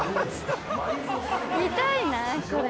見たいなこれ。